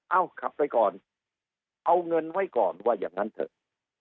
เอาขับไปก่อนเอาเงินไว้ก่อนว่าอย่างนั้นเถอะ